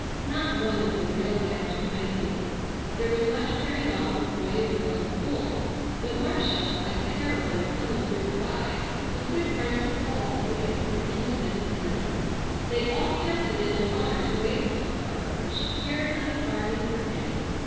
Not one of them realized her ideal. There was much pairing off of boy and girl in school, but Marcia, like the heroine of "Comin' thro' the Rye," was good friends with all the boys and intimate with none. They all counted it an honor to wait upon her, and she cared not a farthing for any.